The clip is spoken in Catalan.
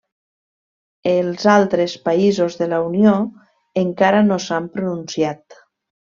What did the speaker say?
Els altres països de la Unió encara no s'han pronunciat.